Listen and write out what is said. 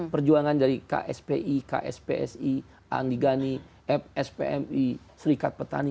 perjuangan dari kspi kspsi andigani spmi serikat petani